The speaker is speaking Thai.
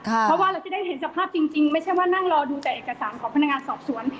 เพราะว่าเราจะได้เห็นสภาพจริงไม่ใช่ว่านั่งรอดูแต่เอกสารของพนักงานสอบสวน